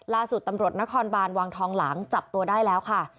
ล่าสุดตำรวจนครบานวังทองหลังจับตัวได้แล้วค่ะ